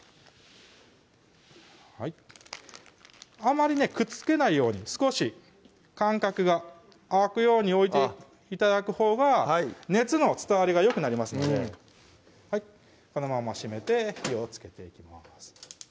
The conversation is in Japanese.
あまりねくっつけないように少し間隔が空くように置いて頂くほうが熱の伝わりがよくなりますのでこのまま閉めて火をつけていきます